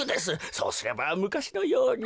そうすればむかしのように。